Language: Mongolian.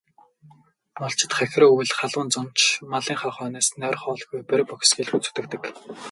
Малчид хахир өвөл, халуун зун ч малынхаа хойноос нойр, хоолгүй борви бохисхийлгүй зүтгэдэг.